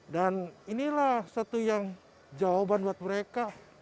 dan inilah satu yang jawaban buat mereka